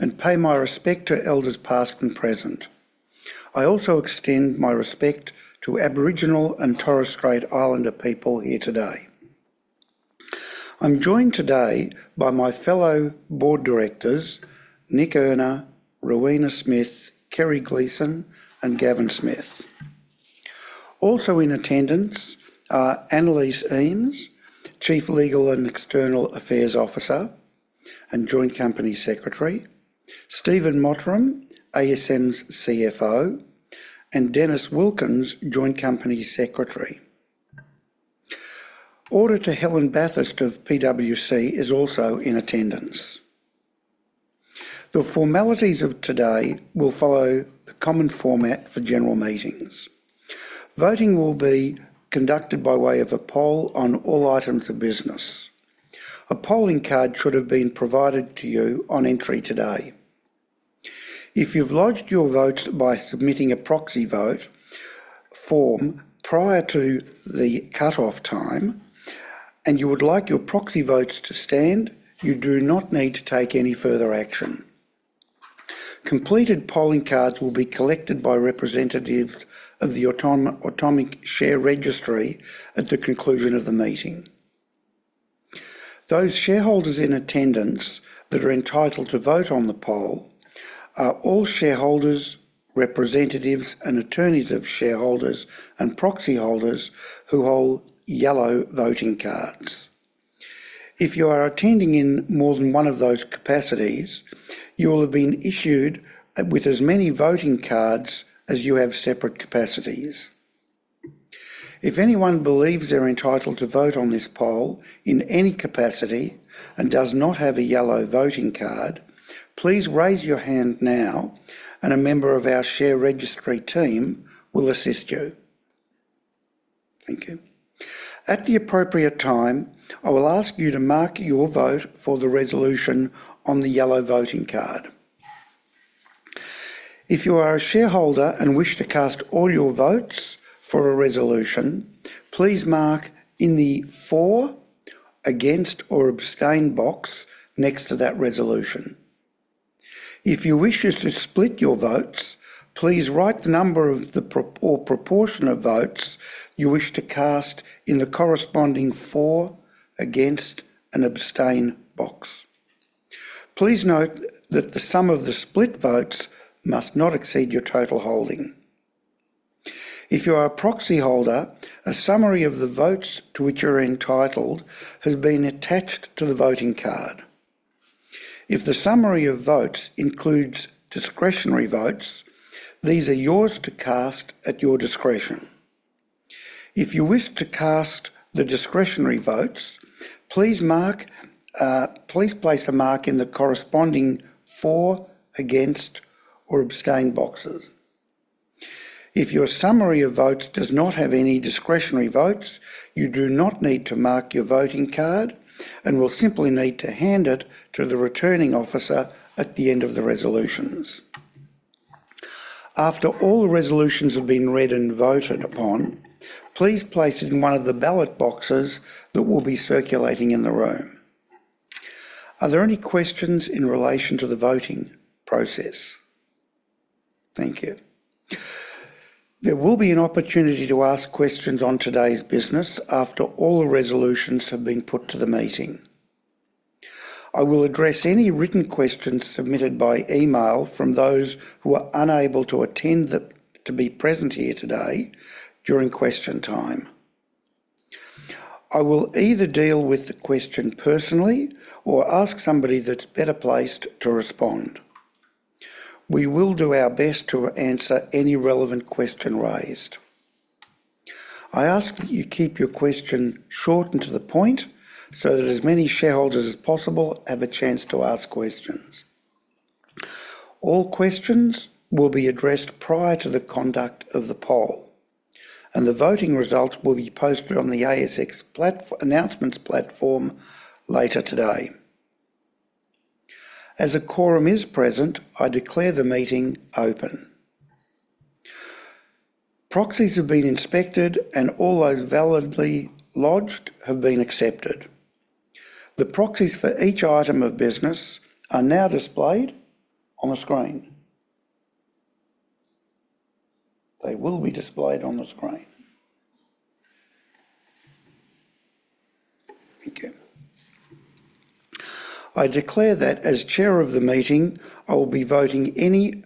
And pay my respect to elders past and present. I also extend my respect to Aboriginal and Torres Strait Islander people here today. I'm joined today by my fellow board directors, Nic Earner, Rowena Smith, Kerry Gleeson, and Gavin Smith. Also in attendance are Annaliese Eames, Chief Legal and External Affairs Officer and Joint Company Secretary; Stephen Mottram, ASM's CFO; and Dennis Wilkins, Joint Company Secretary. Auditor Helen Bathurst of PwC is also in attendance. The formalities of today will follow the common format for general meetings. Voting will be conducted by way of a poll on all items of business. A polling card should have been provided to you on entry today. If you've lodged your votes by submitting a proxy vote form prior to the cutoff time and you would like your proxy votes to stand, you do not need to take any further action. Completed polling cards will be collected by representatives of the Automic Group at the conclusion of the meeting. Those shareholders in attendance that are entitled to vote on the poll are all shareholders, representatives, and attorneys of shareholders and proxy holders who hold yellow voting cards. If you are attending in more than one of those capacities, you will have been issued with as many voting cards as you have separate capacities. If anyone believes they're entitled to vote on this poll in any capacity and does not have a yellow voting card, please raise your hand now and a member of our Automic Group team will assist you. Thank you. At the appropriate time, I will ask you to mark your vote for the resolution on the yellow voting card. If you are a shareholder and wish to cast all your votes for a resolution, please mark in the for, against, or abstain box next to that resolution. If you wish to split your votes, please write the number of the proportion of votes you wish to cast in the corresponding for, against, and abstain box. Please note that the sum of the split votes must not exceed your total holding. If you are a proxy holder, a summary of the votes to which you're entitled has been attached to the voting card. If the summary of votes includes discretionary votes, these are yours to cast at your discretion. If you wish to cast the discretionary votes, please place a mark in the corresponding for, against, or abstain boxes. If your summary of votes does not have any discretionary votes, you do not need to mark your voting card and will simply need to hand it to the returning officer at the end of the resolutions. After all resolutions have been read and voted upon, please place it in one of the ballot boxes that will be circulating in the room. Are there any questions in relation to the voting process? Thank you. There will be an opportunity to ask questions on today's business after all the resolutions have been put to the meeting. I will address any written questions submitted by email from those who are unable to attend to be present here today during question time. I will either deal with the question personally or ask somebody that's better placed to respond. We will do our best to answer any relevant question raised. I ask that you keep your question short and to the point so that as many shareholders as possible have a chance to ask questions. All questions will be addressed prior to the conduct of the poll, and the voting results will be posted on the ASX announcements platform later today. As a quorum is present, I declare the meeting open. Proxies have been inspected and all those validly lodged have been accepted. The proxies for each item of business are now displayed on the screen. They will be displayed on the screen. Thank you. I declare that as chair of the meeting, I will be voting any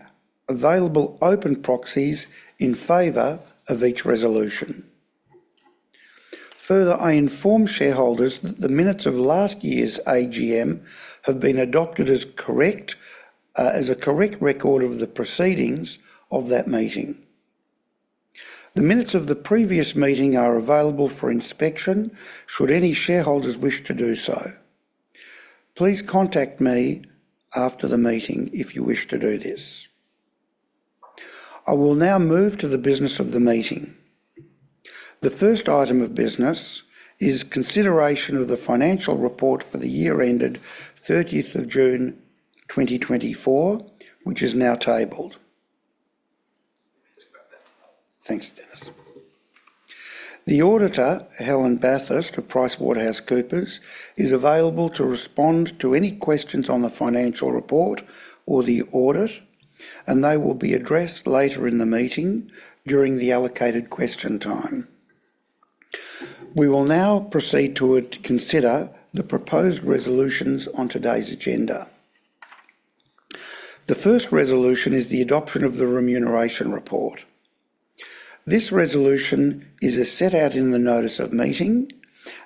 available open proxies in favor of each resolution. Further, I inform shareholders that the minutes of last year's AGM have been adopted as a correct record of the proceedings of that meeting. The minutes of the previous meeting are available for inspection should any shareholders wish to do so. Please contact me after the meeting if you wish to do this. I will now move to the business of the meeting. The first item of business is consideration of the financial report for the year ended 30th of June 2024, which is now tabled. The auditor, Helen Bathurst of PricewaterhouseCoopers, is available to respond to any questions on the financial report or the audit, and they will be addressed later in the meeting during the allocated question time. We will now proceed to consider the proposed resolutions on today's agenda. The first resolution is the adoption of the remuneration report. This resolution is set out in the notice of meeting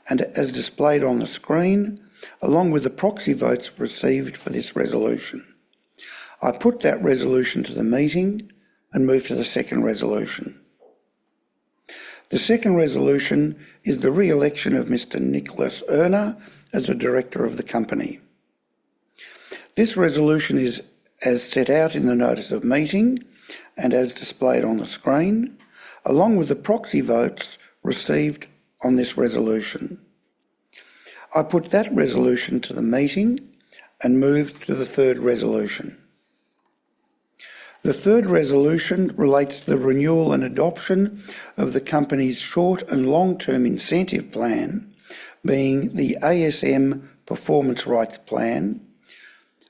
and is displayed on the screen along with the proxy votes received for this resolution. I put that resolution to the meeting and move to the second resolution. The second resolution is the re-election of Mr. Nicholas Earner as a director of the company. This resolution is set out in the notice of meeting and is displayed on the screen along with the proxy votes received on this resolution. I put that resolution to the meeting and move to the third resolution. The third resolution relates to the renewal and adoption of the company's short and long-term incentive plan, being the ASM performance rights plan,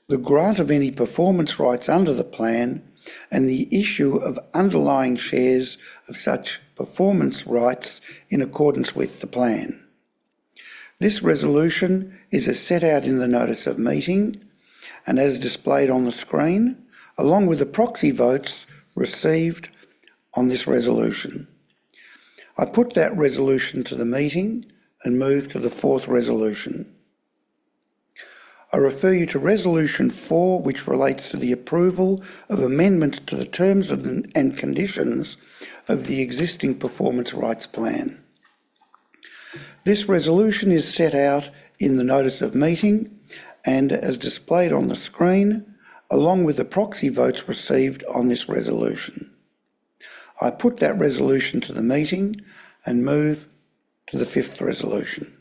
the grant of any performance rights under the plan, and the issue of underlying shares of such performance rights in accordance with the plan. This resolution is set out in the notice of meeting and is displayed on the screen along with the proxy votes received on this resolution. I put that resolution to the meeting and move to the fourth resolution. I refer you to resolution four, which relates to the approval of amendments to the terms and conditions of the existing performance rights plan. This resolution is set out in the notice of meeting and is displayed on the screen along with the proxy votes received on this resolution. I put that resolution to the meeting and move to the fifth resolution.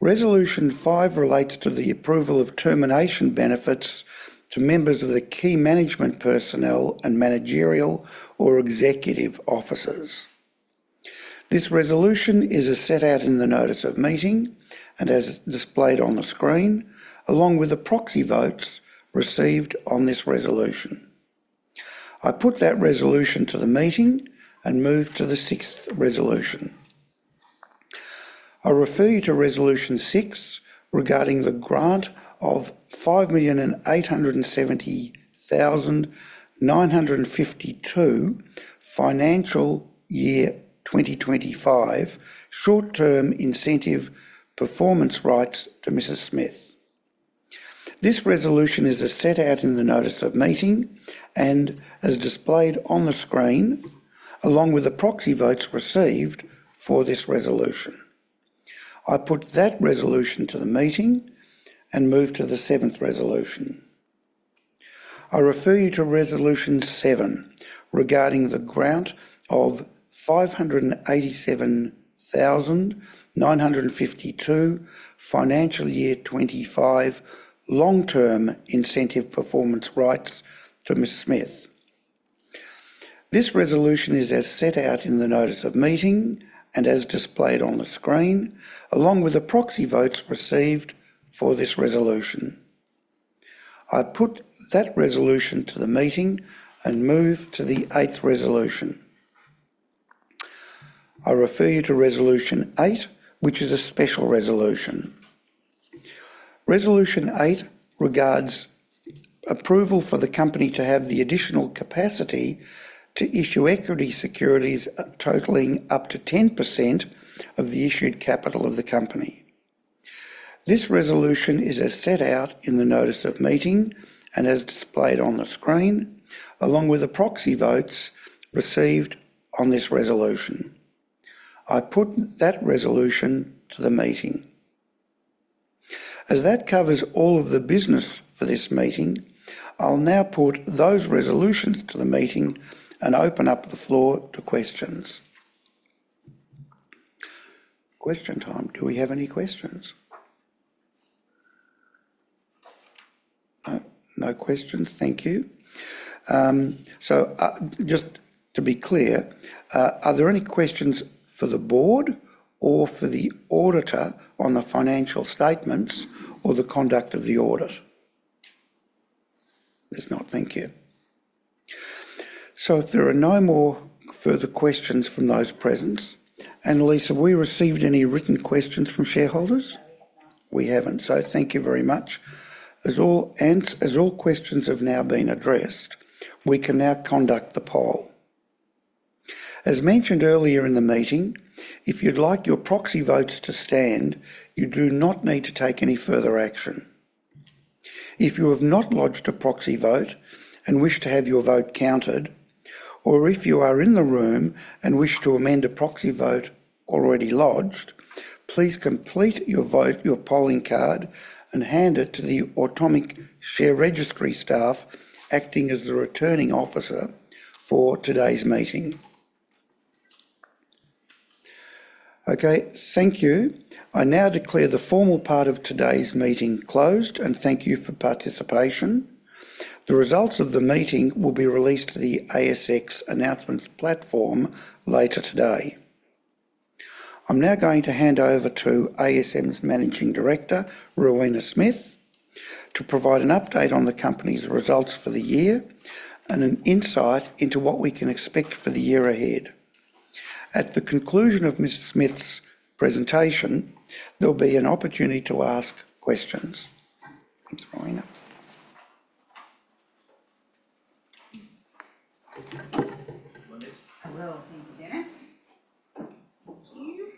Resolution five relates to the approval of termination benefits to members of the key management personnel and managerial or executive officers. This resolution is set out in the notice of meeting and is displayed on the screen along with the proxy votes received on this resolution. I put that resolution to the meeting and move to the sixth resolution. I refer you to resolution six regarding the grant of 5,870,952 financial year 2025 short-term incentive performance rights to Mrs. Smith. This resolution is set out in the notice of meeting and is displayed on the screen along with the proxy votes received for this resolution. I put that resolution to the meeting and move to the seventh resolution. I refer you to resolution seven regarding the grant of 587,952 financial year 25 long-term incentive performance rights to Mrs. Smith. This resolution is set out in the notice of meeting and is displayed on the screen along with the proxy votes received for this resolution. I put that resolution to the meeting and move to the eighth resolution. I refer you to resolution eight, which is a special resolution. Resolution eight regards approval for the company to have the additional capacity to issue equity securities totaling up to 10% of the issued capital of the company. This resolution is set out in the notice of meeting and is displayed on the screen along with the proxy votes received on this resolution. I put that resolution to the meeting. As that covers all of the business for this meeting, I'll now put those resolutions to the meeting and open up the floor to questions. Question time. Do we have any questions? No questions. Thank you. So just to be clear, are there any questions for the board or for the auditor on the financial statements or the conduct of the audit? There's not. Thank you. So if there are no more further questions from those present, Annaliese, have we received any written questions from shareholders? We haven't. So thank you very much. As all questions have now been addressed, we can now conduct the poll. As mentioned earlier in the meeting, if you'd like your proxy votes to stand, you do not need to take any further action. If you have not lodged a proxy vote and wish to have your vote counted, or if you are in the room and wish to amend a proxy vote already lodged, please complete your polling card and hand it to the Automic Share Registry staff acting as the returning officer for today's meeting. Okay. Thank you. I now declare the formal part of today's meeting closed and thank you for participation. The results of the meeting will be released to the ASX announcements platform later today. I'm now going to hand over to ASM's Managing Director, Rowena Smith, to provide an update on the company's results for the year and an insight into what we can expect for the year ahead. At the conclusion of Mrs. Smith's presentation, there'll be an opportunity to ask questions. Thanks, Rowena. Hello. Thank you, Dennis. Thank you.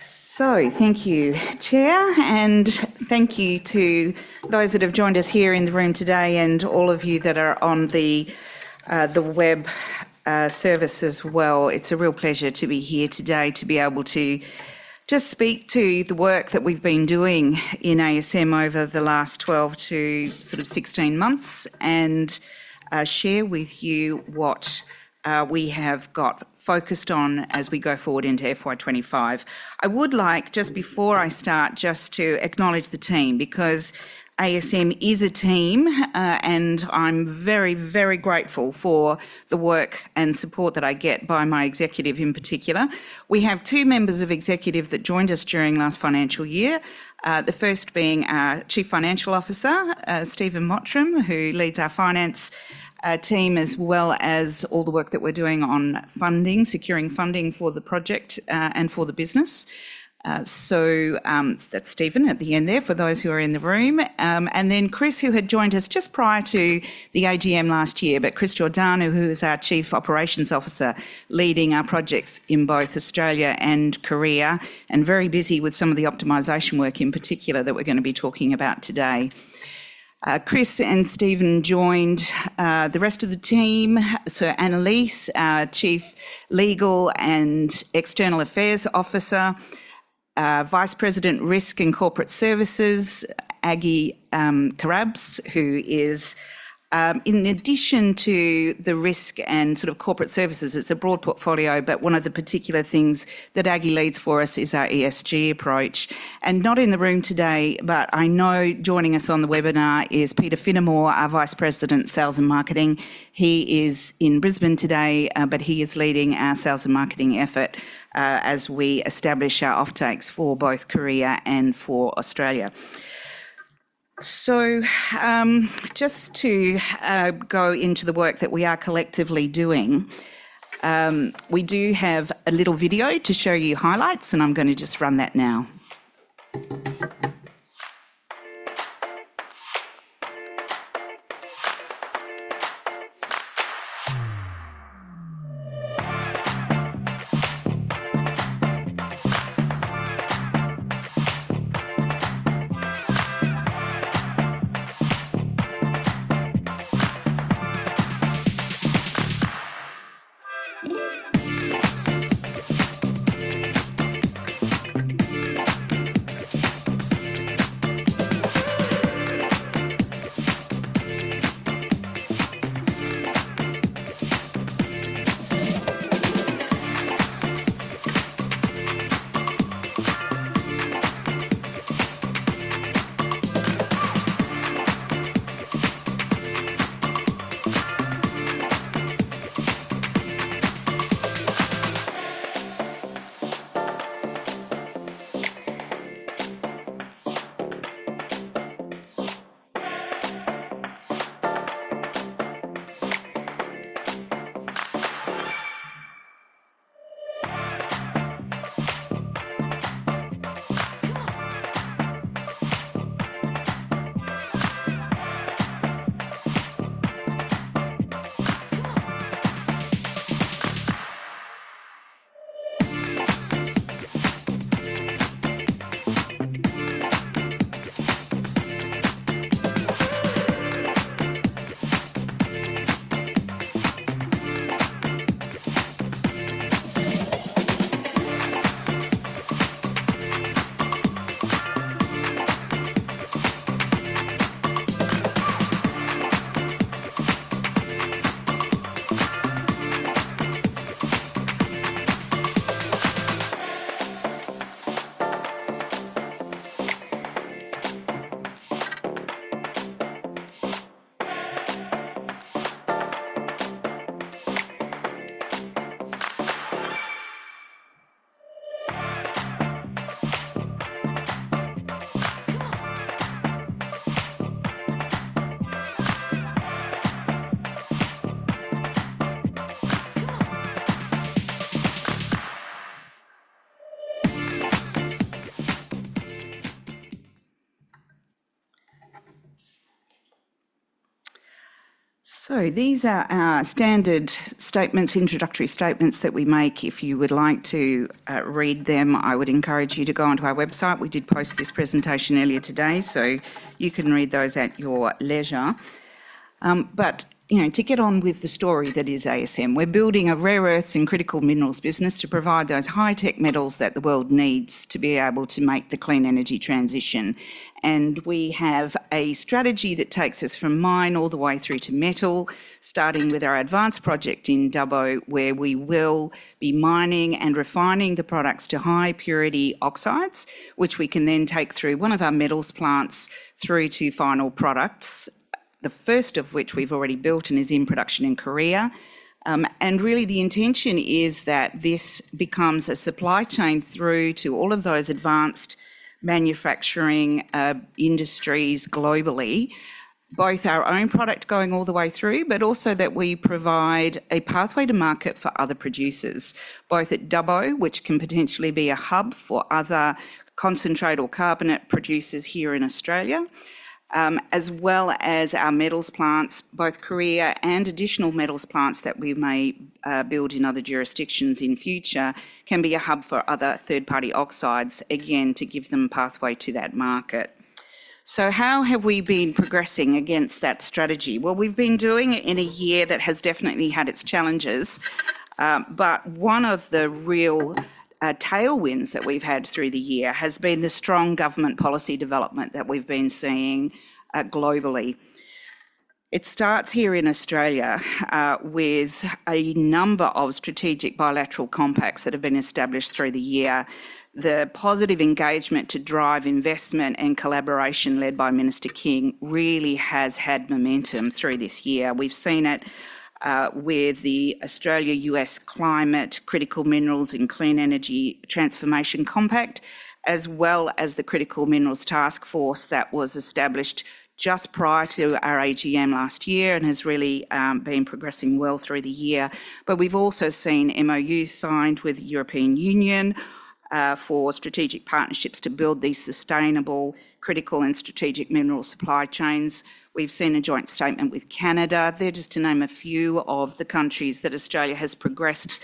So thank you, Chair, and thank you to those that have joined us here in the room today and all of you that are on the web service as well. It's a real pleasure to be here today to be able to just speak to the work that we've been doing in ASM over the last 12 to the 16 months and share with you what we have got focused on as we go forward into FY25. I would like, just before I start, just to acknowledge the team because ASM is a team and I'm very, very grateful for the work and support that I get by my executive in particular. We have two members of executive that joined us during last financial year, the first being our Chief Financial Officer, Stephen Mottram, who leads our finance team as well as all the work that we're doing on funding, securing funding for the project and for the business. So that's Stephen at the end there for those who are in the room. And then Chris, who had joined us just prior to the AGM last year, but Chris Giordano, who is our Chief Operating Officer leading our projects in both Australia and Korea and very busy with some of the optimization work in particular that we're going to be talking about today. Chris and Stephen joined the rest of the team. So Annaliese, our Chief Legal and External Affairs Officer, Vice President Risk and Corporate Services, Aggie Karrasch, who is, in addition to the risk and sort of corporate services, it's a broad portfolio, but one of the particular things that Aggie leads for us is our ESG approach. And not in the room today, but I know joining us on the webinar is Peter Finnimore, our Vice President, Sales and Marketing. He is in Brisbane today, but he is leading our sales and marketing effort as we establish our offtakes for both Korea and for Australia. So just to go into the work that we are collectively doing, we do have a little video to show you highlights, and I'm going to just run that now. So these are our standard statements, introductory statements that we make. If you would like to read them, I would encourage you to go onto our website. We did post this presentation earlier today, so you can read those at your leisure. But to get on with the story that is ASM, we're building a rare earths and critical minerals business to provide those high-tech metals that the world needs to be able to make the clean energy transition. And we have a strategy that takes us from mine all the way through to metal, starting with our advanced project in Dubbo where we will be mining and refining the products to high purity oxides, which we can then take through one of our metals plants through to final products, the first of which we've already built and is in production in Korea. And really the intention is that this becomes a supply chain through to all of those advanced manufacturing industries globally, both our own product going all the way through, but also that we provide a pathway to market for other producers, both at Dubbo, which can potentially be a hub for other concentrate or carbonate producers here in Australia, as well as our metals plants, both Korea and additional metals plants that we may build in other jurisdictions in future can be a hub for other third-party oxides, again, to give them a pathway to that market. So how have we been progressing against that strategy? Well, we've been doing it in a year that has definitely had its challenges, but one of the real tailwinds that we've had through the year has been the strong government policy development that we've been seeing globally. It starts here in Australia with a number of strategic bilateral compacts that have been established through the year. The positive engagement to drive investment and collaboration led by Minister King really has had momentum through this year. We've seen it with the Australia-U.S. Climate Critical Minerals and Clean Energy Transformation Compact, as well as the Critical Minerals Task Force that was established just prior to our AGM last year and has really been progressing well through the year. But we've also seen MoUs signed with the European Union for strategic partnerships to build these sustainable critical and strategic mineral supply chains. We've seen a joint statement with Canada. They're just to name a few of the countries that Australia has progressed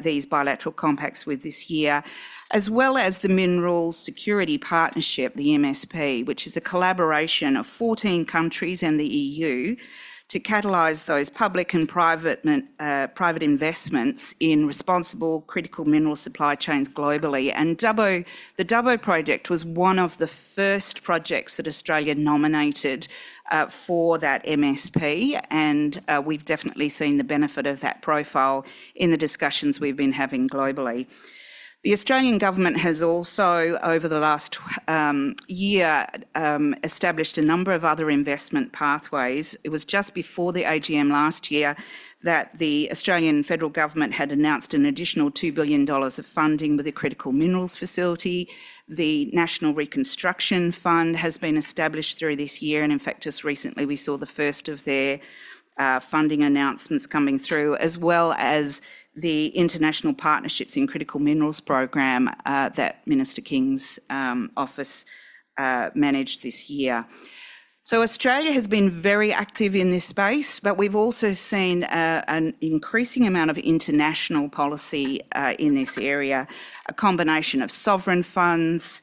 these bilateral compacts with this year, as well as the Minerals Security Partnership, the MSP, which is a collaboration of 14 countries and the EU to catalyse those public and private investments in responsible critical mineral supply chains globally and the Dubbo Project was one of the first projects that Australia nominated for that MSP, and we've definitely seen the benefit of that profile in the discussions we've been having globally. The Australian government has also, over the last year, established a number of other investment pathways. It was just before the AGM last year that the Australian federal government had announced an additional 2 billion dollars of funding with the critical minerals facility. The National Reconstruction Fund has been established through this year, and in fact, just recently we saw the first of their funding announcements coming through, as well as the International Partnerships in Critical Minerals program that Minister King's office managed this year. So Australia has been very active in this space, but we've also seen an increasing amount of international policy in this area, a combination of sovereign funds,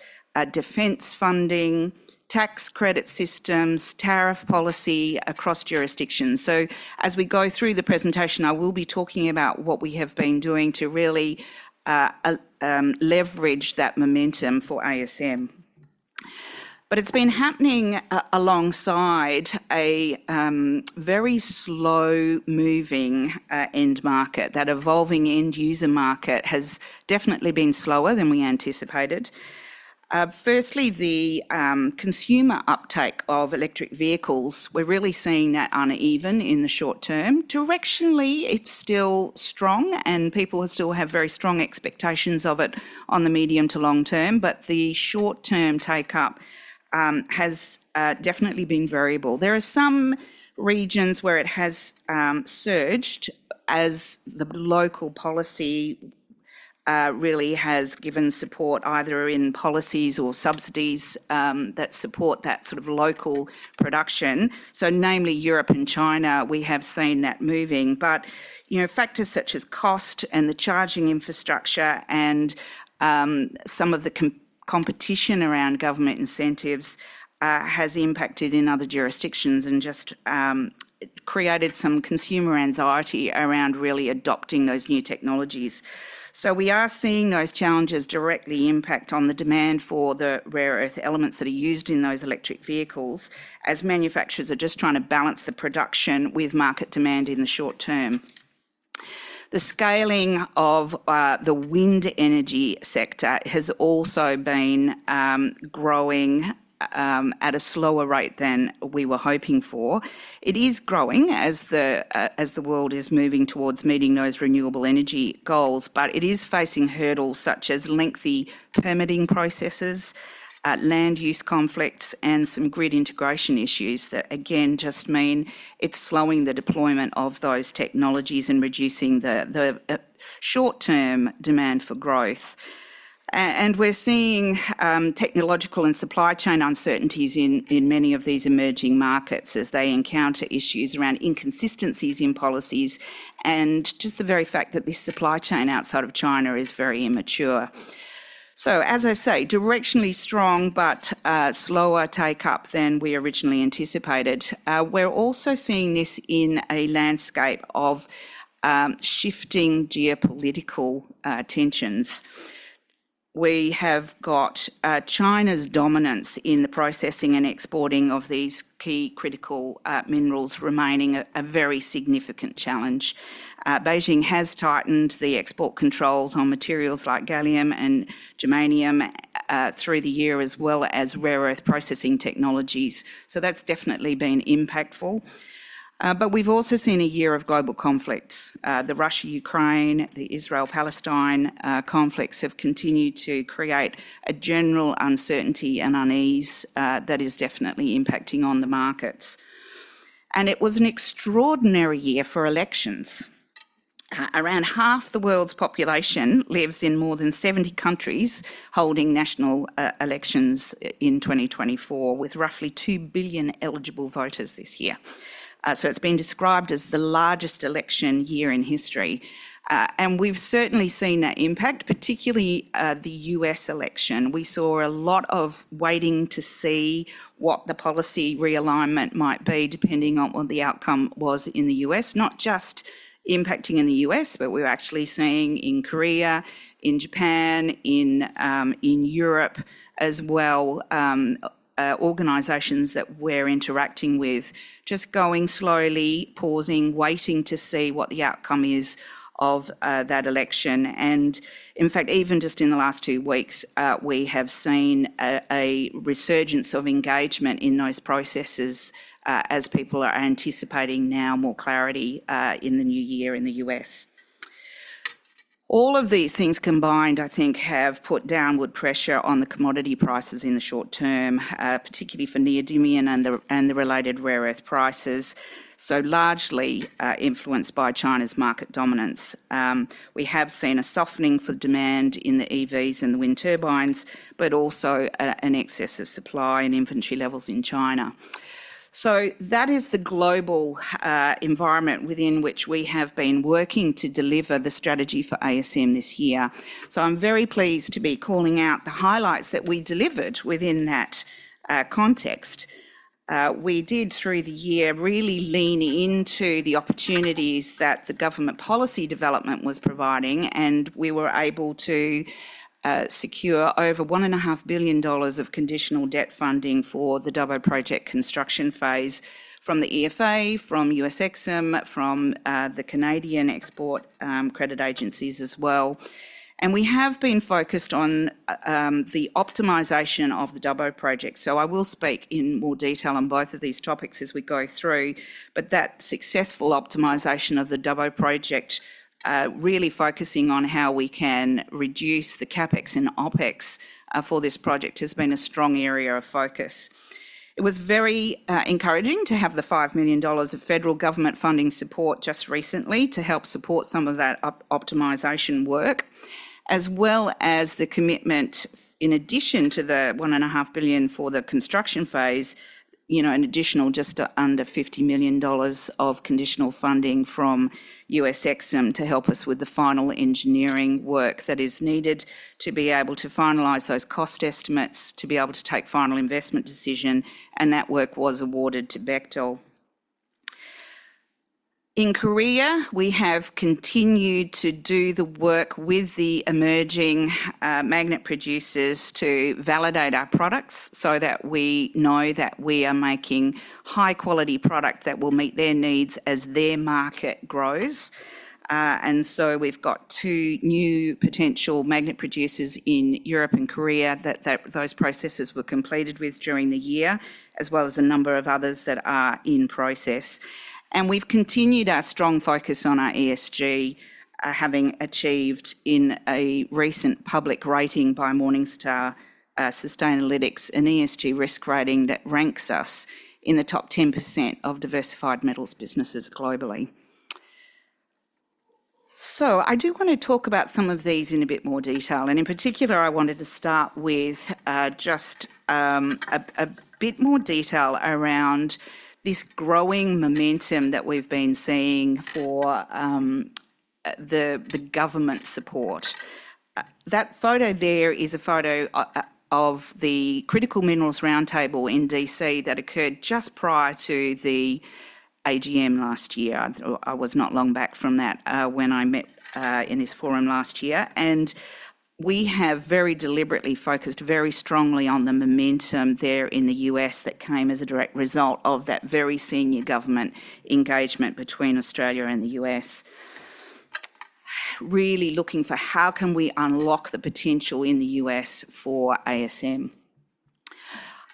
defense funding, tax credit systems, tariff policy across jurisdictions. So as we go through the presentation, I will be talking about what we have been doing to really leverage that momentum for ASM. But it's been happening alongside a very slow-moving end market. That evolving end user market has definitely been slower than we anticipated. Firstly, the consumer uptake of electric vehicles, we're really seeing that uneven in the short term. Directionally, it's still strong, and people still have very strong expectations of it on the medium to long term, but the short-term take-up has definitely been variable. There are some regions where it has surged as the local policy really has given support either in policies or subsidies that support that sort of local production. So namely Europe and China, we have seen that moving. But factors such as cost and the charging infrastructure and some of the competition around government incentives has impacted in other jurisdictions and just created some consumer anxiety around really adopting those new technologies. So we are seeing those challenges directly impact on the demand for the rare earth elements that are used in those electric vehicles as manufacturers are just trying to balance the production with market demand in the short term. The scaling of the wind energy sector has also been growing at a slower rate than we were hoping for. It is growing as the world is moving towards meeting those renewable energy goals, but it is facing hurdles such as lengthy permitting processes, land use conflicts, and some grid integration issues that, again, just mean it's slowing the deployment of those technologies and reducing the short-term demand for growth, and we're seeing technological and supply chain uncertainties in many of these emerging markets as they encounter issues around inconsistencies in policies and just the very fact that this supply chain outside of China is very immature, so as I say, directionally strong, but slower take-up than we originally anticipated. We're also seeing this in a landscape of shifting geopolitical tensions. We have got China's dominance in the processing and exporting of these key critical minerals remaining a very significant challenge. Beijing has tightened the export controls on materials like gallium and germanium through the year, as well as rare earth processing technologies. So that's definitely been impactful. But we've also seen a year of global conflicts. The Russia-Ukraine, the Israel-Palestine conflicts have continued to create a general uncertainty and unease that is definitely impacting on the markets. And it was an extraordinary year for elections. Around half the world's population lives in more than 70 countries holding national elections in 2024, with roughly 2 billion eligible voters this year. So it's been described as the largest election year in history. And we've certainly seen that impact, particularly the U.S. election. We saw a lot of waiting to see what the policy realignment might be depending on what the outcome was in the U.S. Not just impacting in the U.S., but we were actually seeing in Korea, in Japan, in Europe as well, organisations that we're interacting with just going slowly, pausing, waiting to see what the outcome is of that election, and in fact, even just in the last two weeks, we have seen a resurgence of engagement in those processes as people are anticipating now more clarity in the new year in the U.S. All of these things combined, I think, have put downward pressure on the commodity prices in the short term, particularly for neodymium and the related rare earth prices, so largely influenced by China's market dominance. We have seen a softening for demand in the EVs and the wind turbines, but also an excess of supply and inventory levels in China. So that is the global environment within which we have been working to deliver the strategy for ASM this year. So I'm very pleased to be calling out the highlights that we delivered within that context. We did, through the year, really lean into the opportunities that the government policy development was providing, and we were able to secure over 1.5 billion dollars of conditional debt funding for the Dubbo Project construction phase from the EFA, from US EXIM, from the Canadian export credit agencies as well, and we have been focused on the optimization of the Dubbo Project. I will speak in more detail on both of these topics as we go through, but that successful optimization of the Dubbo Project, really focusing on how we can reduce the CapEx and OpEx for this project, has been a strong area of focus. It was very encouraging to have the 5 million dollars of federal government funding support just recently to help support some of that optimization work, as well as the commitment, in addition to the 1.5 billion for the construction phase, an additional just under 50 million dollars of conditional funding from US EXIM to help us with the final engineering work that is needed to be able to finalize those cost estimates, to be able to take final investment decision. And that work was awarded to Bechtel. In Korea, we have continued to do the work with the emerging magnet producers to validate our products so that we know that we are making high-quality product that will meet their needs as their market grows, and so we've got two new potential magnet producers in Europe and Korea that those processes were completed with during the year, as well as a number of others that are in process, and we've continued our strong focus on our ESG, having achieved in a recent public rating by Morningstar Sustainalytics, an ESG risk rating that ranks us in the top 10% of diversified metals businesses globally, so I do want to talk about some of these in a bit more detail, and in particular, I wanted to start with just a bit more detail around this growing momentum that we've been seeing for the government support. That photo there is a photo of the Critical Minerals Roundtable in D.C. that occurred just prior to the AGM last year. I was not long back from that when I met in this forum last year. And we have very deliberately focused very strongly on the momentum there in the U.S. that came as a direct result of that very senior government engagement between Australia and the U.S., really looking for how can we unlock the potential in the U.S. for ASM.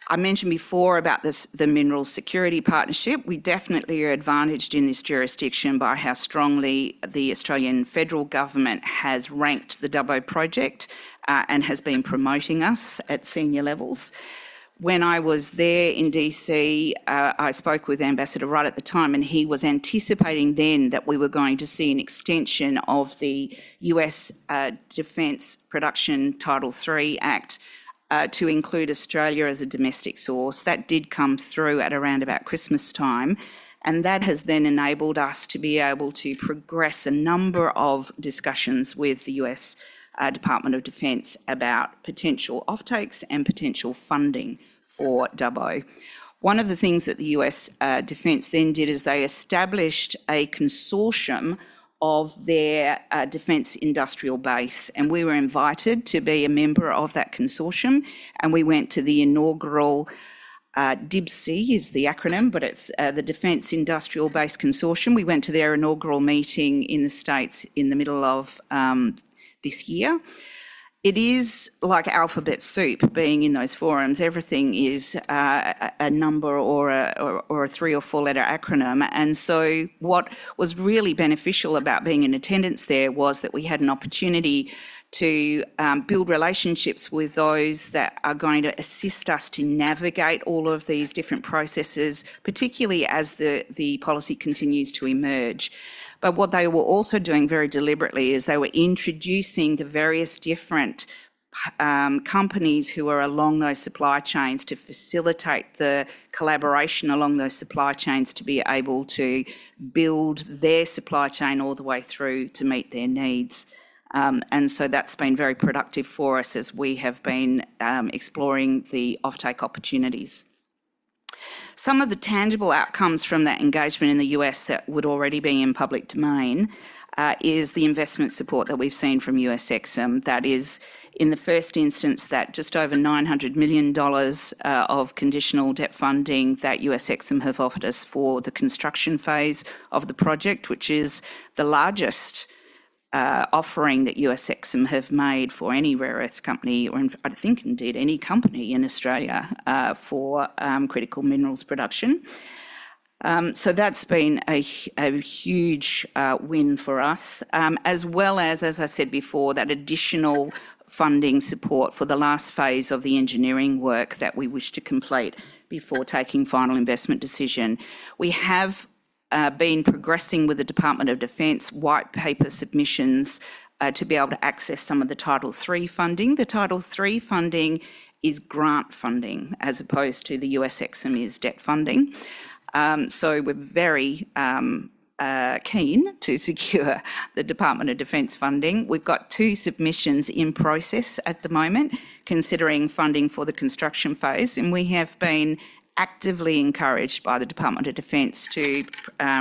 I mentioned before about the Mineral Security Partnership. We definitely are advantaged in this jurisdiction by how strongly the Australian federal government has ranked the Dubbo Project and has been promoting us at senior levels. When I was there in DC, I spoke with Ambassador right at the time, and he was anticipating then that we were going to see an extension of the U.S. Defense Production Act Title III to include Australia as a domestic source. That did come through at around about Christmas time, and that has then enabled us to be able to progress a number of discussions with the U.S. Department of Defense about potential offtakes and potential funding for Dubbo. One of the things that the U.S. Defense then did is they established a consortium of their defense industrial base, and we were invited to be a member of that consortium. We went to the inaugural DIBC is the acronym, but it's the Defense Industrial Base Consortium. We went to their inaugural meeting in the States in the middle of this year. It is like alphabet soup being in those forums. Everything is a number or a three or four-letter acronym. And so what was really beneficial about being in attendance there was that we had an opportunity to build relationships with those that are going to assist us to navigate all of these different processes, particularly as the policy continues to emerge. But what they were also doing very deliberately is they were introducing the various different companies who are along those supply chains to facilitate the collaboration along those supply chains to be able to build their supply chain all the way through to meet their needs. And so that's been very productive for us as we have been exploring the offtake opportunities. Some of the tangible outcomes from that engagement in the U.S. that would already be in public domain is the investment support that we've seen from US EXIM. That is, in the first instance, that just over $900 million of conditional debt funding that US EXIM have offered us for the construction phase of the project, which is the largest offering that US EXIM have made for any rare earths company or, I think, indeed any company in Australia for critical minerals production. So that's been a huge win for us, as well as, as I said before, that additional funding support for the last phase of the engineering work that we wish to complete before taking final investment decision. We have been progressing with the Department of Defense white paper submissions to be able to access some of the Title III funding. The Title III funding is grant funding as opposed to the US EXIM's debt funding, so we're very keen to secure the Department of Defense funding. We've got two submissions in process at the moment, considering funding for the construction phase, and we have been actively encouraged by the Department of Defense to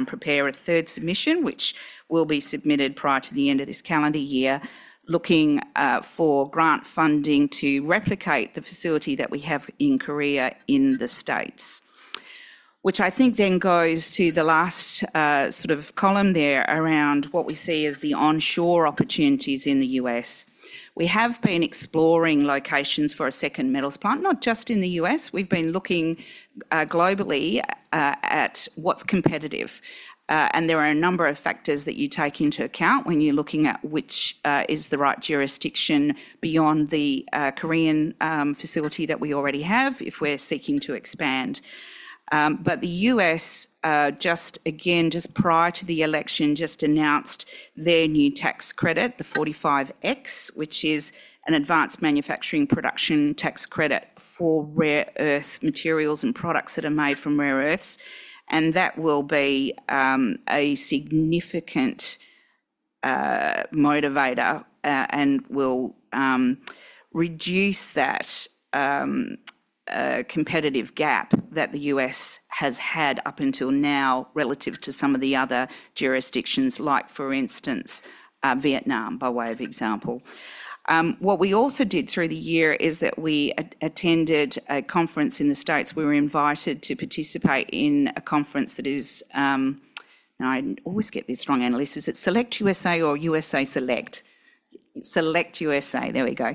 prepare a third submission, which will be submitted prior to the end of this calendar year, looking for grant funding to replicate the facility that we have in Korea in the States, which I think then goes to the last sort of column there around what we see as the onshore opportunities in the U.S. We have been exploring locations for a second metals plant, not just in the U.S. We've been looking globally at what's competitive. There are a number of factors that you take into account when you're looking at which is the right jurisdiction beyond the Korean facility that we already have if we're seeking to expand. But the U.S. just, again, just prior to the election, just announced their new tax credit, the 45X, which is an advanced manufacturing production tax credit for rare earth materials and products that are made from rare earths. And that will be a significant motivator and will reduce that competitive gap that the U.S. has had up until now relative to some of the other jurisdictions, like, for instance, Vietnam, by way of example. What we also did through the year is that we attended a conference in the States. We were invited to participate in a conference that is, I always get this wrong, Annaliese, is it Select USA or USA Select? Select USA, there we go,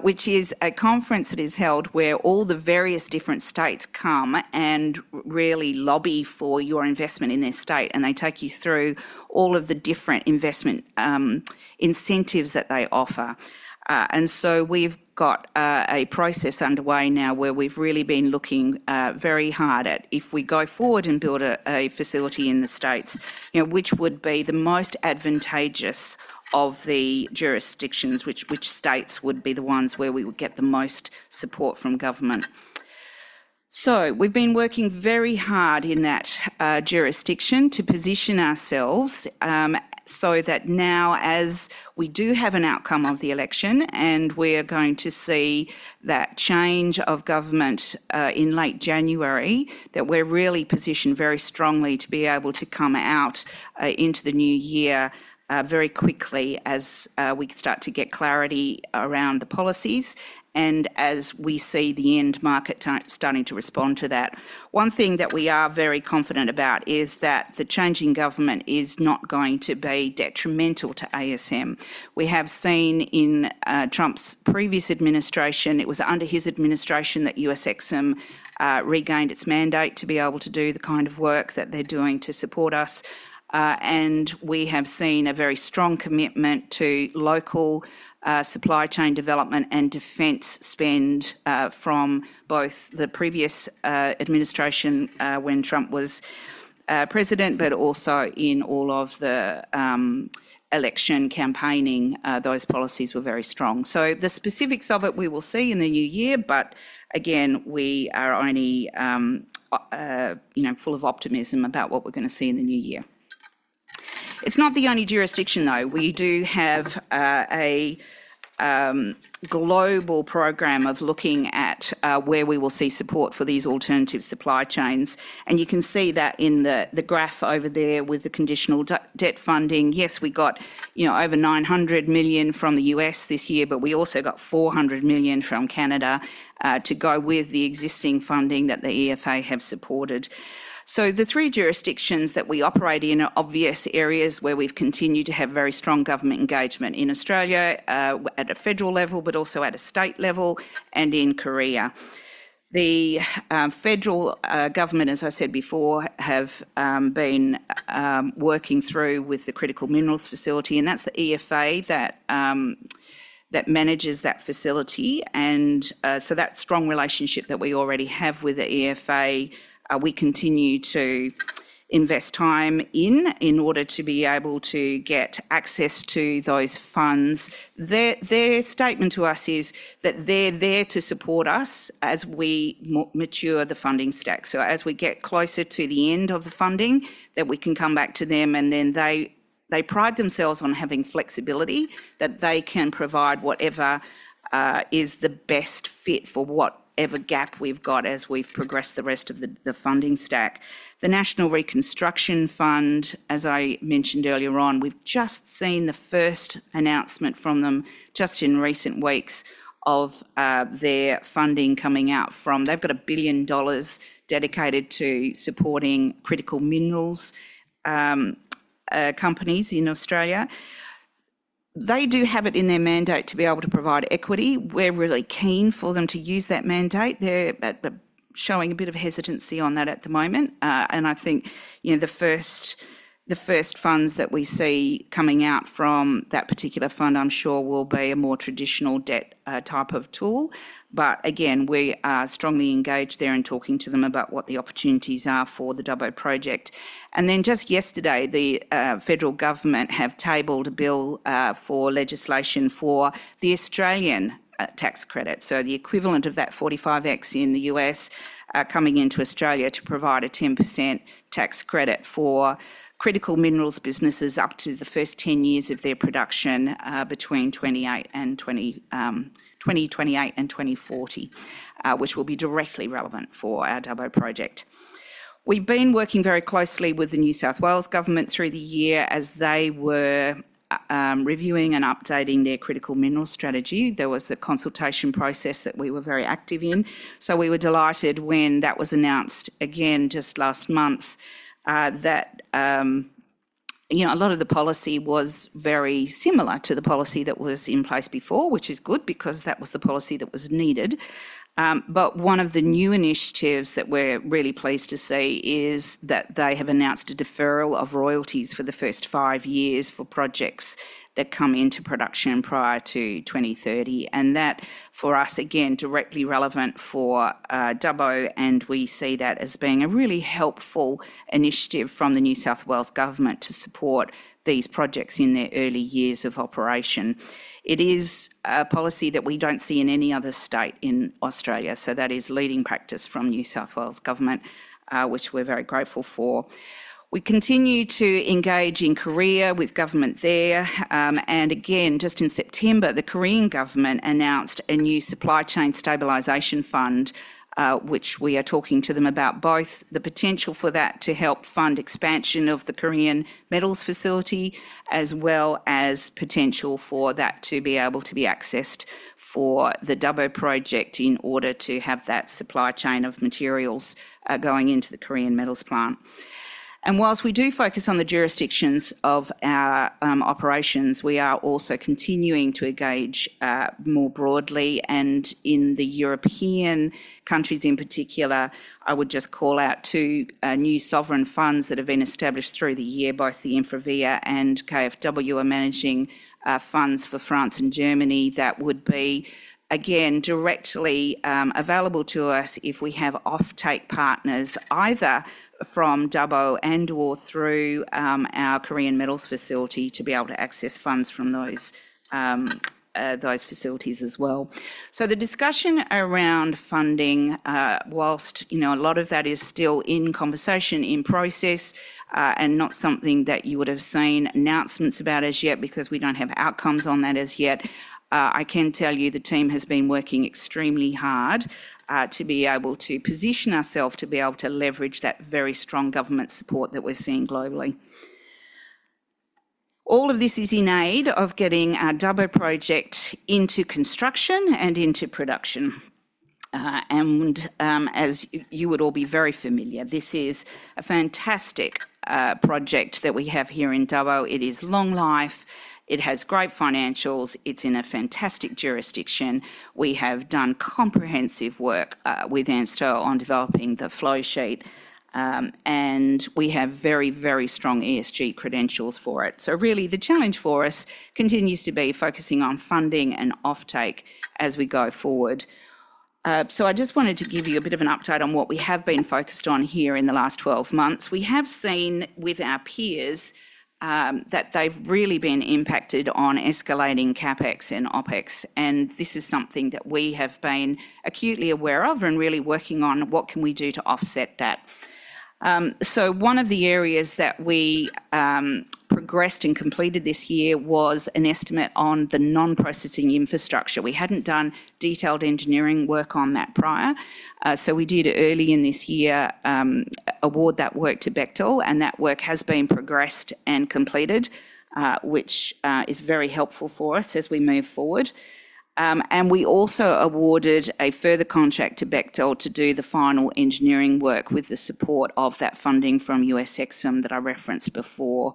which is a conference that is held where all the various different states come and really lobby for your investment in their state, and they take you through all of the different investment incentives that they offer, and so we've got a process underway now where we've really been looking very hard at if we go forward and build a facility in the States, which would be the most advantageous of the jurisdictions, which states would be the ones where we would get the most support from government. So we've been working very hard in that jurisdiction to position ourselves so that now, as we do have an outcome of the election and we are going to see that change of government in late January, that we're really positioned very strongly to be able to come out into the new year very quickly as we start to get clarity around the policies and as we see the end market starting to respond to that. One thing that we are very confident about is that the changing government is not going to be detrimental to ASM. We have seen in Trump's previous administration, it was under his administration that US EXIM regained its mandate to be able to do the kind of work that they're doing to support us. We have seen a very strong commitment to local supply chain development and defense spend from both the previous administration when Trump was president, but also in all of the election campaigning, those policies were very strong. So the specifics of it we will see in the new year, but again, we are only full of optimism about what we're going to see in the new year. It's not the only jurisdiction, though. We do have a global program of looking at where we will see support for these alternative supply chains. And you can see that in the graph over there with the conditional debt funding. Yes, we got over $900 million from the U.S. this year, but we also got $400 million from Canada to go with the existing funding that the EFA have supported. The three jurisdictions that we operate in are obvious areas where we've continued to have very strong government engagement in Australia at a federal level, but also at a state level and in Korea. The federal government, as I said before, have been working through with the Critical Minerals Facility, and that's the EFA that manages that facility. And so that strong relationship that we already have with the EFA, we continue to invest time in in order to be able to get access to those funds. Their statement to us is that they're there to support us as we mature the funding stack. So as we get closer to the end of the funding, that we can come back to them. And then they pride themselves on having flexibility, that they can provide whatever is the best fit for whatever gap we've got as we've progressed the rest of the funding stack. The National Reconstruction Fund, as I mentioned earlier on, we've just seen the first announcement from them just in recent weeks of their funding coming out from. They've got 1 billion dollars dedicated to supporting critical minerals companies in Australia. They do have it in their mandate to be able to provide equity. We're really keen for them to use that mandate. They're showing a bit of hesitancy on that at the moment. And I think the first funds that we see coming out from that particular fund, I'm sure will be a more traditional debt type of tool. But again, we are strongly engaged there in talking to them about what the opportunities are for the Dubbo Project. And then just yesterday, the federal government have tabled a bill for legislation for the Australian tax credit. So the equivalent of that 45X in the U.S. coming into Australia to provide a 10% tax credit for critical minerals businesses up to the first 10 years of their production between 2028 and 2040, which will be directly relevant for our Dubbo Project. We've been working very closely with the New South Wales Government through the year as they were reviewing and updating their critical minerals strategy. There was a consultation process that we were very active in. So we were delighted when that was announced again just last month that a lot of the policy was very similar to the policy that was in place before, which is good because that was the policy that was needed. But one of the new initiatives that we're really pleased to see is that they have announced a deferral of royalties for the first five years for projects that come into production prior to 2030. And that, for us, again, directly relevant for Dubbo. And we see that as being a really helpful initiative from the New South Wales Government to support these projects in their early years of operation. It is a policy that we don't see in any other state in Australia. So that is leading practice from the New South Wales Government, which we're very grateful for. We continue to engage in Korea with government there. And again, just in September, the Korean government announced a new supply chain stabilization fund, which we are talking to them about both the potential for that to help fund expansion of the Korean Metals Plant, as well as potential for that to be able to be accessed for the Dubbo Project in order to have that supply chain of materials going into the Korean Metals Plant. And while we do focus on the jurisdictions of our operations, we are also continuing to engage more broadly. And in the European countries, in particular, I would just call out two new sovereign funds that have been established through the year. Both the InfraVia and KfW are managing funds for France and Germany that would be, again, directly available to us if we have offtake partners either from Dubbo and/or through our Korean Metals Facility to be able to access funds from those facilities as well, so the discussion around funding, while a lot of that is still in conversation, in process, and not something that you would have seen announcements about as yet because we don't have outcomes on that as yet, I can tell you the team has been working extremely hard to be able to position ourselves to be able to leverage that very strong government support that we're seeing globally. All of this is in aid of getting our Dubbo Project into construction and into production, and as you would all be very familiar, this is a fantastic project that we have here in Dubbo. It is long life. It has great financials. It's in a fantastic jurisdiction. We have done comprehensive work with ANSTO on developing the flowsheet. And we have very, very strong ESG credentials for it. So really, the challenge for us continues to be focusing on funding and offtake as we go forward. So I just wanted to give you a bit of an update on what we have been focused on here in the last 12 months. We have seen with our peers that they've really been impacted on escalating CapEx and OpEx. And this is something that we have been acutely aware of and really working on what can we do to offset that. So one of the areas that we progressed and completed this year was an estimate on the non-processing infrastructure. We hadn't done detailed engineering work on that prior. So we did, early in this year, award that work to Bechtel. And that work has been progressed and completed, which is very helpful for us as we move forward. And we also awarded a further contract to Bechtel to do the final engineering work with the support of that funding from US EXIM that I referenced before.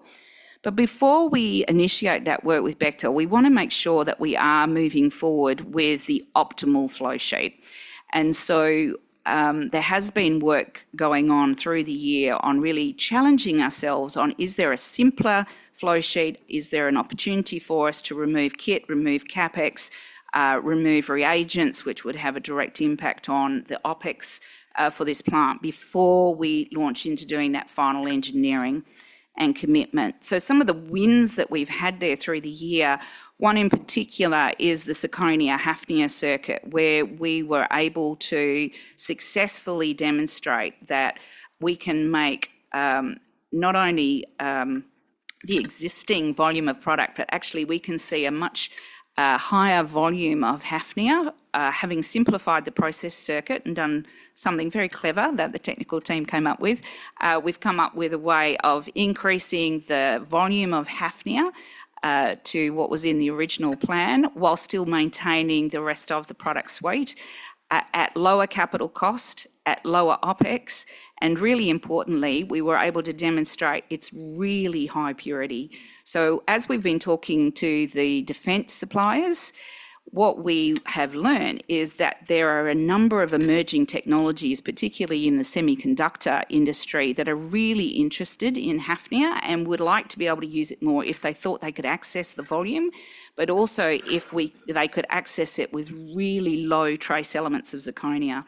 But before we initiate that work with Bechtel, we want to make sure that we are moving forward with the optimal flowsheet. And so there has been work going on through the year on really challenging ourselves on, is there a simpler flowsheet? Is there an opportunity for us to remove kit, remove CapEx, remove reagents, which would have a direct impact on the OpEx for this plant before we launch into doing that final engineering and commitment? Some of the wins that we've had there through the year, one in particular is the Zirconia Hafnia circuit, where we were able to successfully demonstrate that we can make not only the existing volume of product, but actually we can see a much higher volume of Hafnia, having simplified the process circuit and done something very clever that the technical team came up with. We've come up with a way of increasing the volume of Hafnia to what was in the original plan while still maintaining the rest of the product's weight at lower capital cost, at lower OpEx. Really importantly, we were able to demonstrate its really high purity. So as we've been talking to the defense suppliers, what we have learned is that there are a number of emerging technologies, particularly in the semiconductor industry, that are really interested in Hafnia and would like to be able to use it more if they thought they could access the volume, but also if they could access it with really low trace elements of zirconia.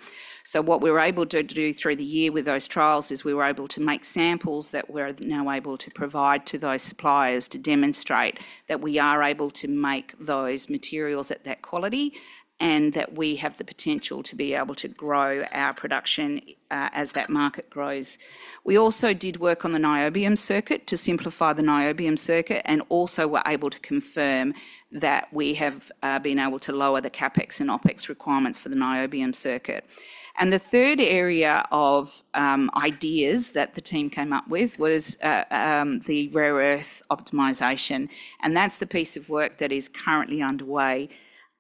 So what we were able to do through the year with those trials is we were able to make samples that we're now able to provide to those suppliers to demonstrate that we are able to make those materials at that quality and that we have the potential to be able to grow our production as that market grows. We also did work on the niobium circuit to simplify the niobium circuit and also were able to confirm that we have been able to lower the CapEx and OpEx requirements for the niobium circuit, and the third area of ideas that the team came up with was the rare earth optimization, and that's the piece of work that is currently underway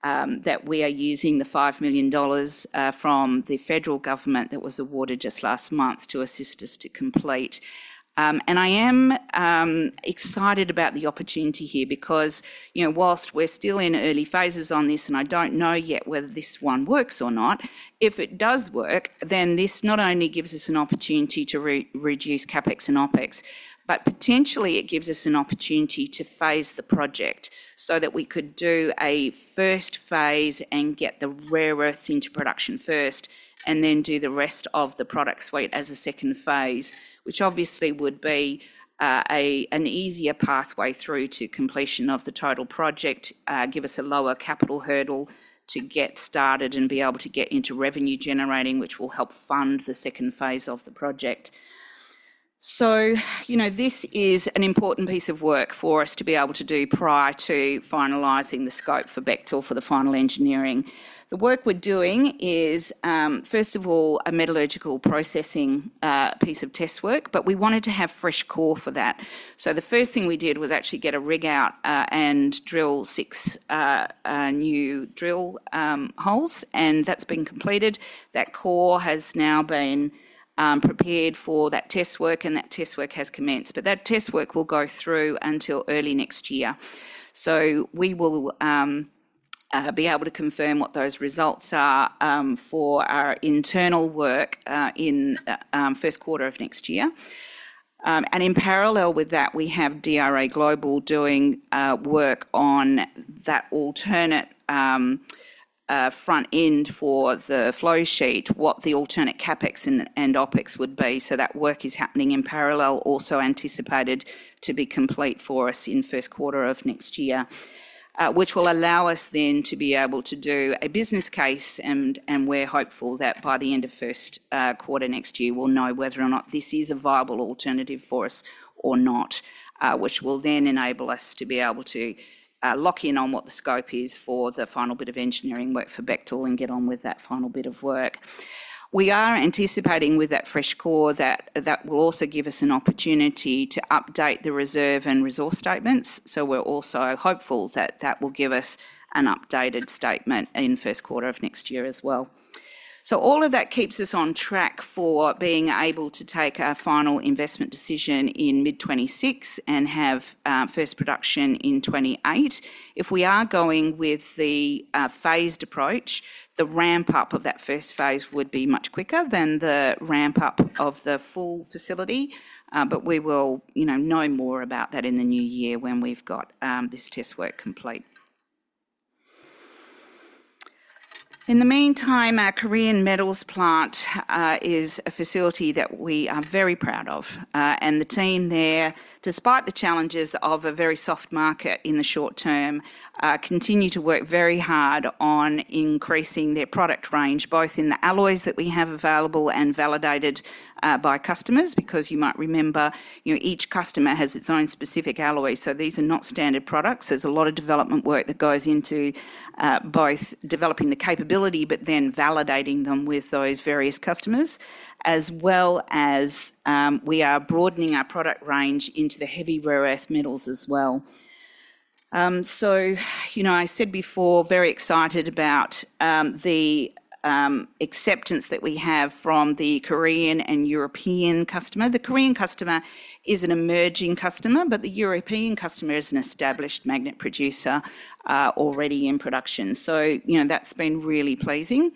that we are using the 5 million dollars from the federal government that was awarded just last month to assist us to complete. I am excited about the opportunity here because while we're still in early phases on this and I don't know yet whether this one works or not, if it does work, then this not only gives us an opportunity to reduce CapEx and OpEx, but potentially it gives us an opportunity to phase the project so that we could do a first phase and get the rare earths into production first and then do the rest of the product suite as a second phase, which obviously would be an easier pathway through to completion of the total project, give us a lower capital hurdle to get started and be able to get into revenue generating, which will help fund the second phase of the project. This is an important piece of work for us to be able to do prior to finalizing the scope for Bechtel for the final engineering. The work we're doing is, first of all, a metallurgical processing piece of test work, but we wanted to have fresh core for that. The first thing we did was actually get a rig out and drill six new drill holes. And that's been completed. That core has now been prepared for that test work, and that test work has commenced. But that test work will go through until early next year. We will be able to confirm what those results are for our internal work in first quarter of next year. And in parallel with that, we have DRA Global doing work on that alternate front end for the flowsheet, what the alternate CapEx and OpEx would be. So that work is happening in parallel, also anticipated to be complete for us in first quarter of next year, which will allow us then to be able to do a business case. And we're hopeful that by the end of first quarter next year, we'll know whether or not this is a viable alternative for us or not, which will then enable us to be able to lock in on what the scope is for the final bit of engineering work for Bechtel and get on with that final bit of work. We are anticipating with that fresh core that that will also give us an opportunity to update the reserve and resource statements. So we're also hopeful that that will give us an updated statement in first quarter of next year as well. All of that keeps us on track for being able to take our final investment decision in mid-2026 and have first production in 2028. If we are going with the phased approach, the ramp up of that first phase would be much quicker than the ramp up of the full facility. But we will know more about that in the new year when we've got this test work complete. In the meantime, our Korean Metals Plant is a facility that we are very proud of. And the team there, despite the challenges of a very soft market in the short term, continue to work very hard on increasing their product range, both in the alloys that we have available and validated by customers. Because you might remember, each customer has its own specific alloy. So these are not standard products. There's a lot of development work that goes into both developing the capability, but then validating them with those various customers, as well as we are broadening our product range into the heavy rare earth metals as well. So I said before, very excited about the acceptance that we have from the Korean and European customer. The Korean customer is an emerging customer, but the European customer is an established magnet producer already in production. So that's been really pleasing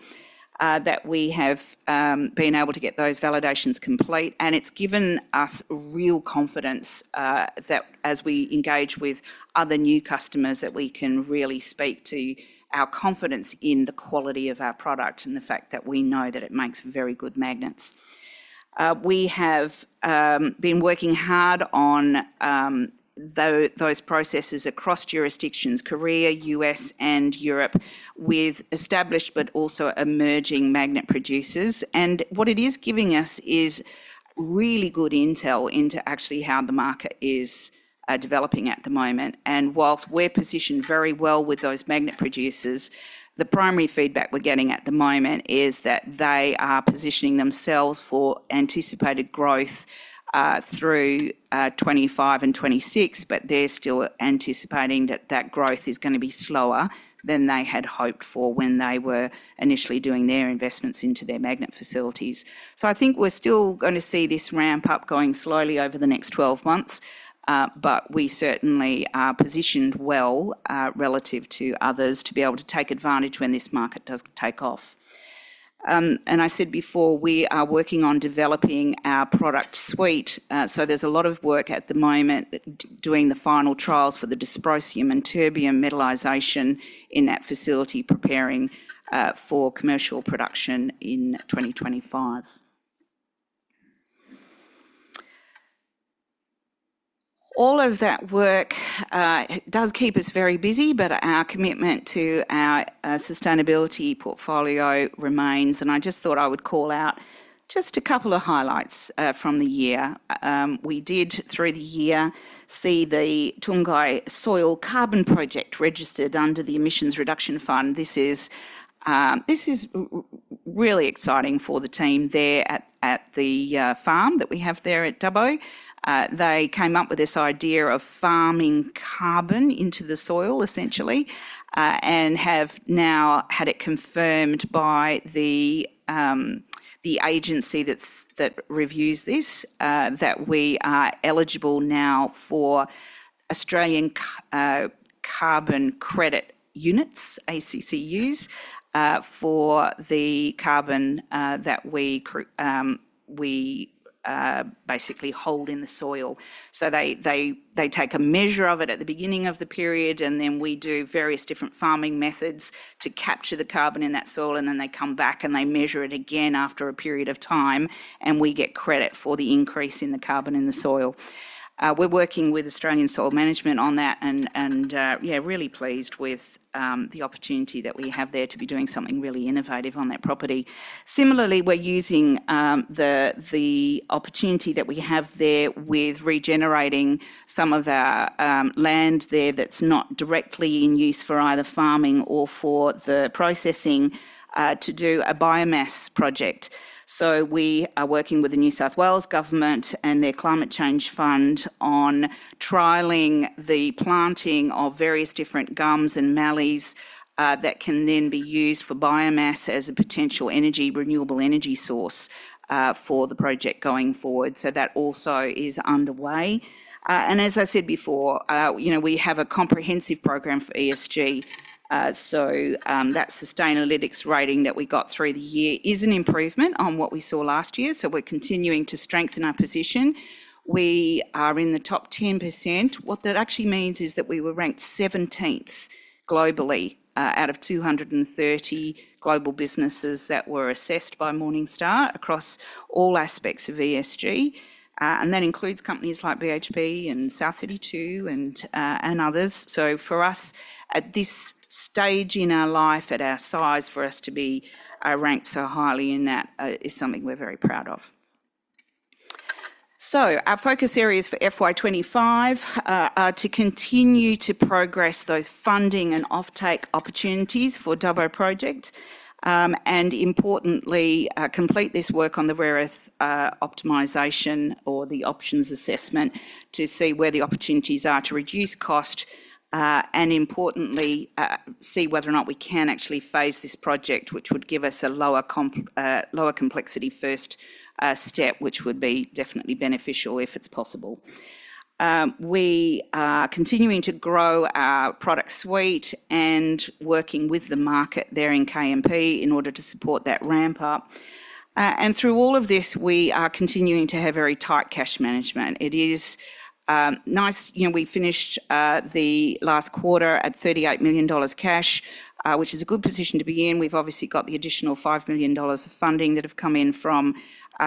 that we have been able to get those validations complete. And it's given us real confidence that as we engage with other new customers, that we can really speak to our confidence in the quality of our product and the fact that we know that it makes very good magnets. We have been working hard on those processes across jurisdictions, Korea, U.S., and Europe, with established but also emerging magnet producers. What it is giving us is really good intel into actually how the market is developing at the moment. Whilst we're positioned very well with those magnet producers, the primary feedback we're getting at the moment is that they are positioning themselves for anticipated growth through 2025 and 2026, but they're still anticipating that that growth is going to be slower than they had hoped for when they were initially doing their investments into their magnet facilities. We certainly are going to see this ramp up going slowly over the next 12 months. We certainly are positioned well relative to others to be able to take advantage when this market does take off. I said before, we are working on developing our product suite. There's a lot of work at the moment doing the final trials for the dysprosium and terbium metallization in that facility preparing for commercial production in 2025. All of that work does keep us very busy, but our commitment to our sustainability portfolio remains. I just thought I would call out just a couple of highlights from the year. We did, through the year, see the Toongi Soil Carbon Project registered under the Emissions Reduction Fund. This is really exciting for the team there at the farm that we have there at Dubbo. They came up with this idea of farming carbon into the soil, essentially, and have now had it confirmed by the agency that reviews this that we are eligible now for Australian Carbon Credit Units, ACCUs, for the carbon that we basically hold in the soil. So they take a measure of it at the beginning of the period, and then we do various different farming methods to capture the carbon in that soil. And then they come back and they measure it again after a period of time, and we get credit for the increase in the carbon in the soil. We're working with Australian Soil Management on that and really pleased with the opportunity that we have there to be doing something really innovative on that property. Similarly, we're using the opportunity that we have there with regenerating some of our land there that's not directly in use for either farming or for the processing to do a biomass project. So we are working with the New South Wales government and their Climate Change Fund on trialling the planting of various different gums and mallees that can then be used for biomass as a potential renewable energy source for the project going forward. So that also is underway. And as I said before, we have a comprehensive program for ESG. So that sustainability rating that we got through the year is an improvement on what we saw last year. So we're continuing to strengthen our position. We are in the top 10%. What that actually means is that we were ranked 17th globally out of 230 global businesses that were assessed by Morningstar across all aspects of ESG. And that includes companies like BHP and South32 and others. So for us, at this stage in our life, at our size, for us to be ranked so highly in that is something we're very proud of. So our focus areas for FY25 are to continue to progress those funding and offtake opportunities for Dubbo Project and, importantly, complete this work on the rare earth optimization or the options assessment to see where the opportunities are to reduce cost and, importantly, see whether or not we can actually phase this project, which would give us a lower complexity first step, which would be definitely beneficial if it's possible. We are continuing to grow our product suite and working with the market there in KMP in order to support that ramp up, and through all of this, we are continuing to have very tight cash management. It is nice. We finished the last quarter at 38 million dollars cash, which is a good position to be in. We've obviously got the additional 5 million dollars of funding that have come in from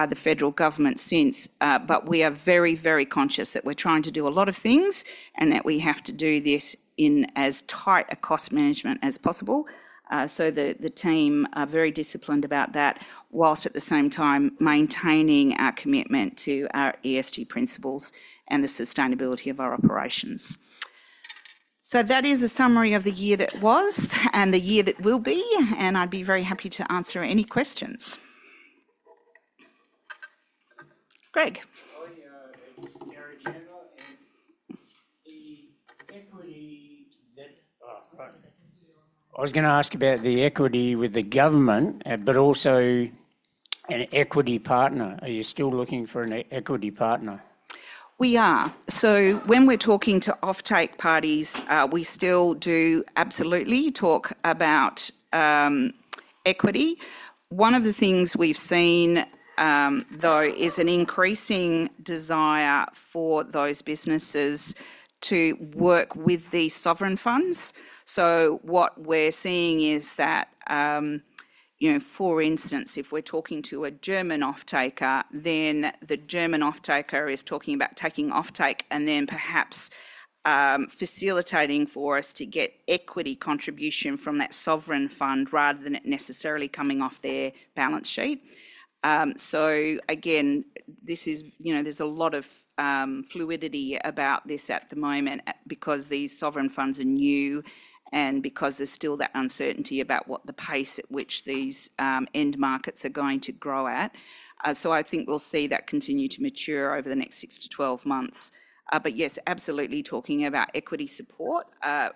the federal government since, but we are very, very conscious that we're trying to do a lot of things and that we have to do this in as tight a cost management as possible, so the team are very disciplined about that while at the same time maintaining our commitment to our ESG principles and the sustainability of our operations, so that is a summary of the year that was and the year that will be. And I'd be very happy to answer any questions. Greg. Hi, it's Gary Chandler. And the equity that I was going to ask about the equity with the government, but also an equity partner. Are you still looking for an equity partner? We are. So when we're talking to offtake parties, we still do absolutely talk about equity. One of the things we've seen, though, is an increasing desire for those businesses to work with the sovereign funds. So what we're seeing is that, for instance, if we're talking to a German offtaker, then the German offtaker is talking about taking offtake and then perhaps facilitating for us to get equity contribution from that sovereign fund rather than it necessarily coming off their balance sheet. So again, there's a lot of fluidity about this at the moment because these sovereign funds are new and because there's still that uncertainty about what the pace at which these end markets are going to grow at. So I think we'll see that continue to mature over the next 6-12 months. But yes, absolutely talking about equity support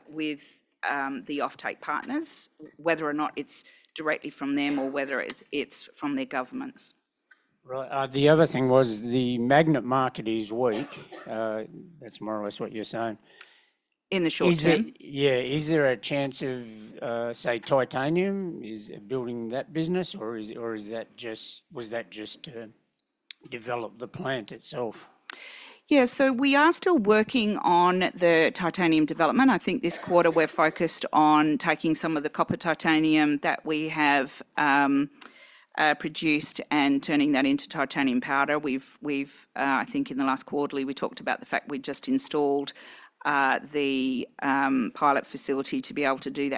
with the offtake partners, whether or not it's directly from them or whether it's from their governments. Right. The other thing was the magnet market is weak. That's more or less what you're saying. In the short term. Yeah. Is there a chance of, say, titanium building that business, or was that just to develop the plant itself? Yeah. So we are still working on the titanium development. I think this quarter we're focused on taking some of the copper titanium that we have produced and turning that into titanium powder. I think in the last quarter, we talked about the fact we just installed the pilot facility to be able to do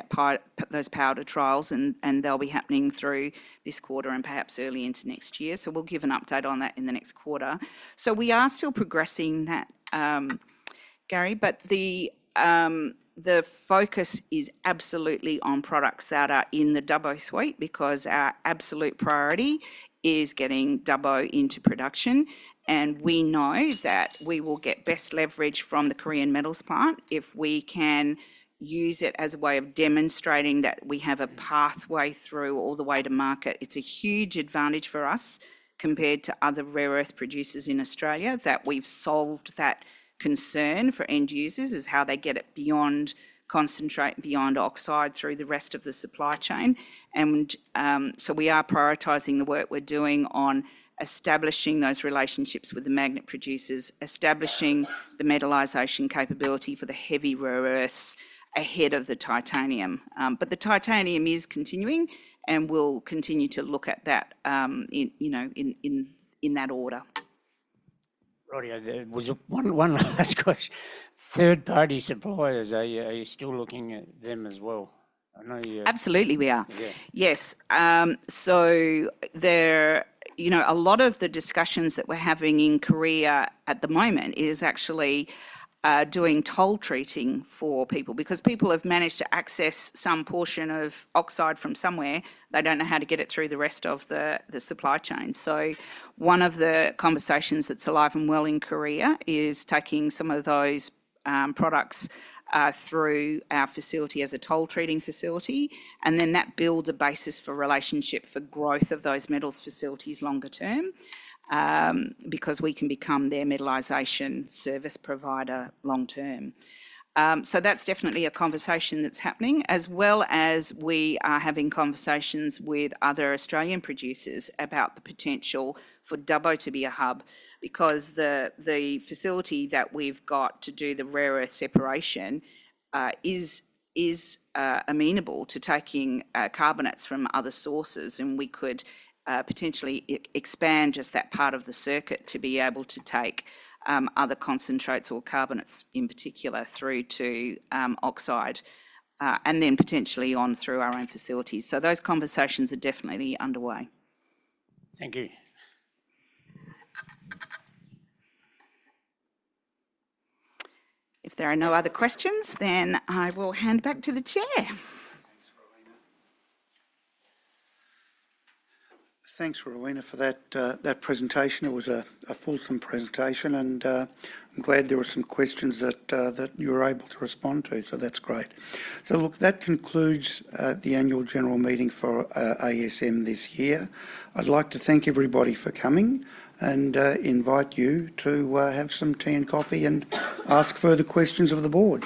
those powder trials, and they'll be happening through this quarter and perhaps early into next year. So we'll give an update on that in the next quarter. So we are still progressing that, Gary. But the focus is absolutely on products that are in the Dubbo suite because our absolute priority is getting Dubbo into production. And we know that we will get best leverage from the Korean Metals Plant if we can use it as a way of demonstrating that we have a pathway through all the way to market. It's a huge advantage for us compared to other rare earth producers in Australia that we've solved that concern for end users, is how they get it beyond concentrate, beyond oxide through the rest of the supply chain. So we are prioritizing the work we're doing on establishing those relationships with the magnet producers, establishing the metallization capability for the heavy rare earths ahead of the titanium. But the titanium is continuing and we'll continue to look at that in that order. Rowena, one last question. Third-party suppliers, are you still looking at them as well? Absolutely, we are. Yes. So a lot of the discussions that we're having in Korea at the moment is actually doing toll treating for people because people have managed to access some portion of oxide from somewhere. They don't know how to get it through the rest of the supply chain. So one of the conversations that's alive and well in Korea is taking some of those products through our facility as a toll treating facility. And then that builds a basis for relationship for growth of those metals facilities longer term because we can become their metallization service provider long term. So that's definitely a conversation that's happening, as well as we are having conversations with other Australian producers about the potential for Dubbo to be a hub because the facility that we've got to do the rare earth separation is amenable to taking carbonates from other sources. And we could potentially expand just that part of the circuit to be able to take other concentrates or carbonates in particular through to oxide and then potentially on through our own facilities. So those conversations are definitely underway. Thank you. If there are no other questions, then I will hand back to the chair. Thanks, Rowena, for that presentation. It was a fulsome presentation, and I'm glad there were some questions that you were able to respond to. That's great. Look, that concludes the annual general meeting for ASM this year. I'd like to thank everybody for coming and invite you to have some tea and coffee and ask further questions of the board.